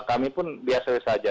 kami pun biasanya saja